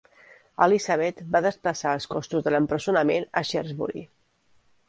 Elisabet va desplaçar els costos de l'empresonament a Shrewsbury.